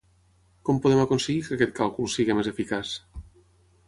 Com podem aconseguir que aquest càlcul sigui més eficaç?